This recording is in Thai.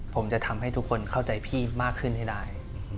ผมจะทำให้ทุกคนเข้าใจพี่มากขึ้นให้ได้